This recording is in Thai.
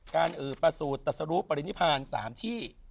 การเออประสูจน์ตัดสรุปปริณิพรรณ๓ที่